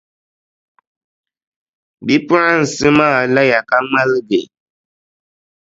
Bipuɣinsi maa laya ka ŋmaligi.